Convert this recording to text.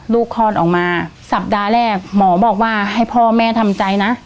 คลอดออกมาสัปดาห์แรกหมอบอกว่าให้พ่อแม่ทำใจนะ